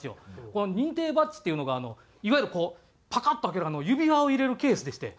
この認定バッジっていうのがいわゆるこうパカッと開ける指輪を入れるケースでして。